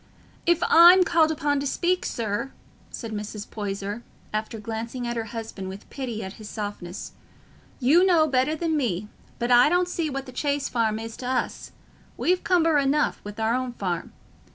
"If I'm called upon to speak, sir," said Mrs. Poyser, after glancing at her husband with pity at his softness, "you know better than me; but I don't see what the Chase Farm is t' us—we've cumber enough wi' our own farm.